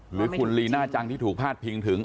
หรือคุณลีน่าจังที่ถูกพาดพิงถึง